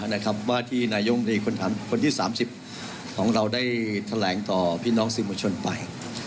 นะครับว่าที่นายกรีค้นทำคนที่สามสิบของเราได้แถลงต่อพี่น้องสิมชนไป